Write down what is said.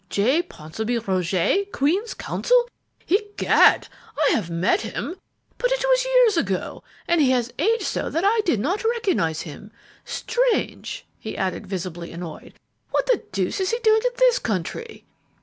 "J. Ponsonby Roget, Queen's Counsel? Egad! I have met him, but it was years ago, and he has aged so that I did not recognize him. Strange!" he added, visibly annoyed. "What the deuce is he doing in this country?"